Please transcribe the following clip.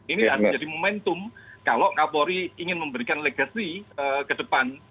ini menjadi momentum kalau kapolri ingin memberikan legacy ke depan